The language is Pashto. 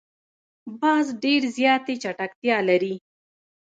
باز ډېر زیاتې چټکتیا لري